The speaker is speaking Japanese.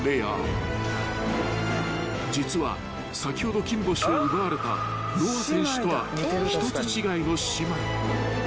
［実は先ほど金星を奪われた乃愛選手とは１つ違いの姉妹］